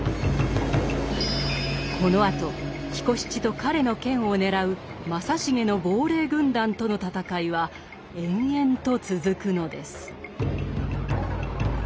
このあと彦七と彼の剣を狙う正成の亡霊軍団との戦いは延々と続くのです。